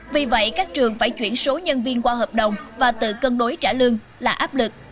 vì vậy các trường phải chuyển số nhân viên qua hợp đồng và tự cân đối trả lương là áp lực